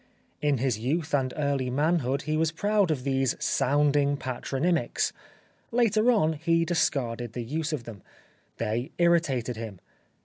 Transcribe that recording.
In his youth and early manhood he was proud of these sounding patronymics. Later on he discarded the use of them. They irritated him.